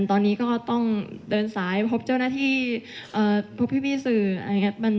ตอนนี้ก็ต้องเดินสายพบเจ้าหน้าที่พบพี่สื่ออะไรอย่างนี้